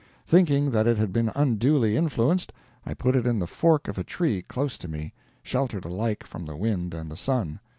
Thinking that it had been unduly influenced, I put it in the fork of a tree close to me, sheltered alike from the wind and the sun.